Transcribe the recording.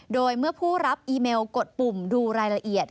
โดยเมื่อผู้รับอีเมลกดปุ่มดูรายละเอียด